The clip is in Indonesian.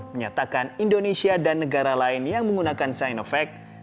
menyatakan indonesia dan negara lain yang menggunakan sinovac